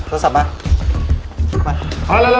โทรศัพท์มา